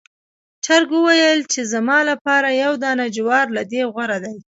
چرګ وویل چې زما لپاره یو دانې جوار له دې غوره دی.